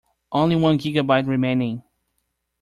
Only one gigabyte remaining.